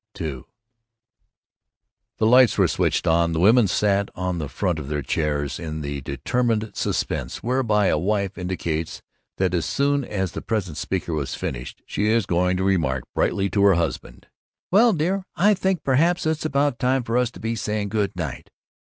'" II The lights were switched on; the women sat on the fronts of their chairs in that determined suspense whereby a wife indicates that as soon as the present speaker has finished, she is going to remark brightly to her husband, "Well, dear, I think per haps it's about time for us to be saying good night."